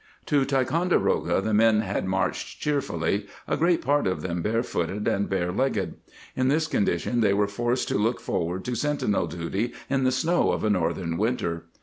* To Ticonderoga the men had marched cheer fully, a great part of them barefooted and bare legged. In this condition they were forced to look forward to sentinel duty in the snow of a northern winter.